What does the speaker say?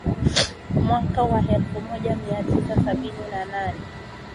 Mwaka wa elfu moja mia tisa sabini na nne